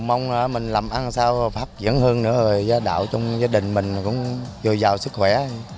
mong mình làm ăn sao phát triển hơn nữa gia đạo trong gia đình mình cũng vừa giàu sức khỏe